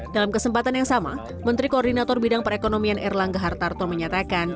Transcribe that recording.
dalam kesempatan yang sama menteri koordinator bidang perekonomian erlangga hartarto menyatakan